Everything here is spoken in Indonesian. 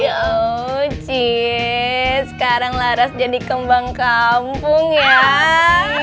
yooo ciee sekarang laras jadi kembang kampung yaa